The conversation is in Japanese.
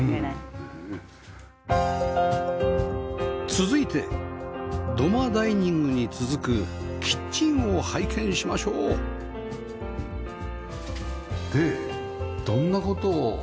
続いて土間ダイニングに続くキッチンを拝見しましょうでどんな事を相談されました？